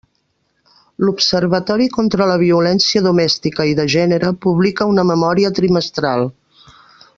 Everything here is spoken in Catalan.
L'Observatori contra la Violència Domèstica i de Gènere publica una memòria trimestral.